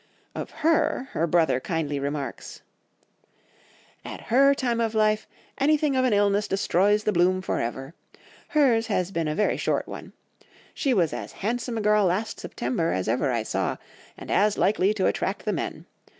Of her, her brother kindly remarks— "'At her time of life, anything of an illness destroys the bloom for ever! Hers has been a very short one! She was as handsome a girl last September as ever I saw, and as likely to attract the men.